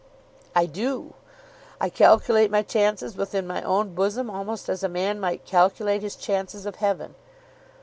"I do. I calculate my chances within my own bosom almost as a man might calculate his chances of heaven.